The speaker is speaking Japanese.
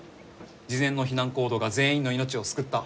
事前の避難行動が全員の命を救った。